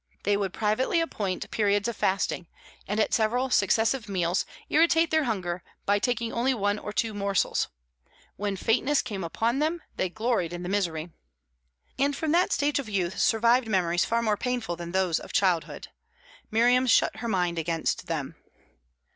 They would privately appoint periods of fasting, and at several successive meals irritate their hunger by taking only one or two morsels; when faintness came upon them, they gloried in the misery. And from that stage of youth survived memories far more painful than those of childhood. Miriam shut her mind against them.